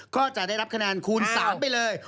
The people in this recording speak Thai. ก็จะได้รับคะแนนคูณ๓ไปเลย